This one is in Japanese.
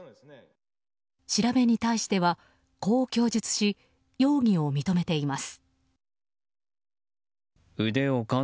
調べに対しはこう供述し、容疑を認めています。